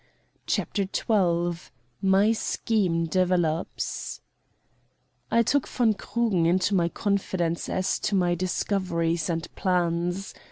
CHAPTER XII MY SCHEME DEVELOPS I took von Krugen into my confidence as to my discoveries and plans.